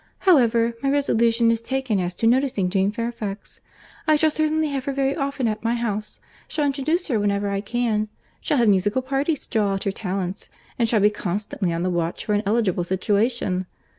—However, my resolution is taken as to noticing Jane Fairfax.—I shall certainly have her very often at my house, shall introduce her wherever I can, shall have musical parties to draw out her talents, and shall be constantly on the watch for an eligible situation.